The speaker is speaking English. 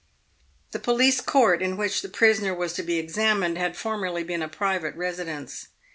The police court in which the prisoner was to be examined had formerly been a private residence.